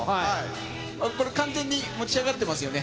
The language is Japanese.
これ、完全に持ち上がってますよね？